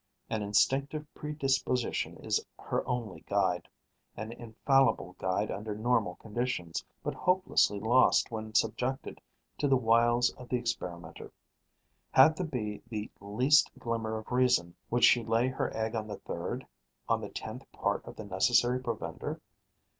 An instinctive predisposition is her only guide, an infallible guide under normal conditions, but hopelessly lost when subjected to the wiles of the experimenter. Had the Bee the least glimmer of reason would she lay her egg on the third, on the tenth part of the necessary provender?